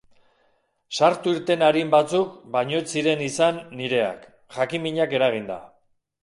Sartu-irten arin batzuk baino ez ziren izan nireak, jakin-minak eraginda.